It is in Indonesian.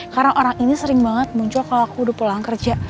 karena orang ini sering banget muncul kalau aku udah pulang kerja